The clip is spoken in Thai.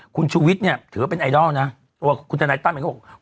คุณชุวิตเนี่ยถือว่าเป็นไอดอลนะตัวของคุณธนายตั้มเขาบอกว่า